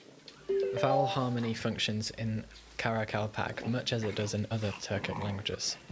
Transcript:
Vowel harmony functions in Karakalpak much as it does in other Turkic languages.